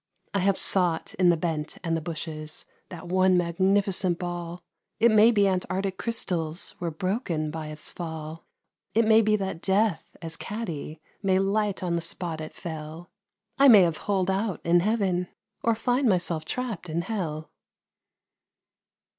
I have sought in the bent and the bushes that one magnificent ball; It may be Antartic crystals were broken by its fall; It may be that Death as Caddy may light on the spot it fell; I may have holed out in Heaven or find myself trapped in Hell.